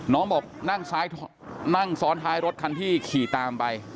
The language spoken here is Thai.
น้องบอกนั่งซ้อนท้ายรถคันที่ขี่ตามไป